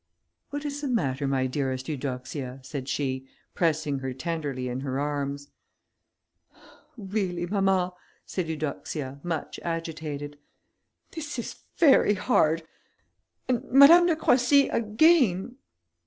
"What is the matter, my dearest Eudoxia?" said she, pressing her tenderly in her arms. "Really, mamma," said Eudoxia, much agitated, "this is very hard, and Madame de Croissy again...."